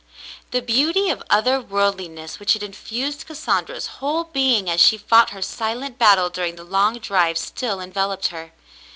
The beauty of other worldliness which had infused Cassandra's whole being as she fought her silent battle during the long drive, still enveloped her.